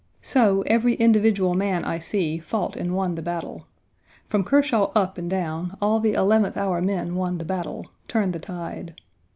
So every individual man I see fought and won the battle. From Kershaw up and down, all the eleventh hour men won the battle; turned the tide.